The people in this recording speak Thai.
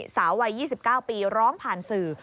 สาววัย๒๙ปีร้องผ่านสื่อ